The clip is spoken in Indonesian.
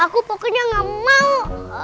aku pokoknya gak mau